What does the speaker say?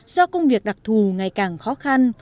do công việc đặc thù ngày càng khó khăn